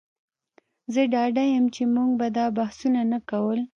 زه ډاډه یم چې موږ به دا بحثونه نه کول